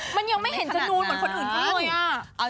มันยังไม่เห็นจะนูนเหมือนคนอื่นเขาเลย